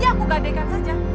ya aku gadekan saja